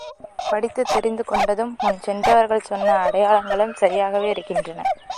படித்துத் தெரிந்து கொண்டதும், முன் சென்றவர்கள் சொன்ன அடையாளங்களும் சரியாகவே இருக்கின்றன.